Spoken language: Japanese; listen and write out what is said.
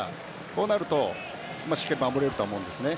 こうなるとしっかり守れるとは思うんですね。